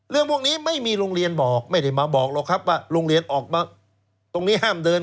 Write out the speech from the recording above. เรื่องพวกนี้ไม่มีโรงเรียนบอกไม่ได้มาบอกหรอกครับว่าโรงเรียนออกมาตรงนี้ห้ามเดิน